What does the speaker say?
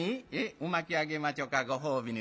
鰻巻きあげまちょかご褒美に。